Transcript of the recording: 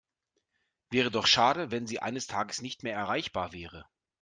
Wäre doch schade, wenn Sie eines Tages nicht mehr erreichbar wäre.